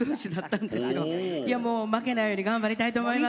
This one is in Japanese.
もう負けないように頑張りたいと思います。